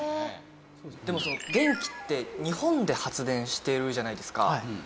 でもその電気って日本で発電してるじゃないですか。